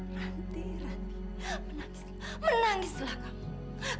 ranti ranti menangislah kamu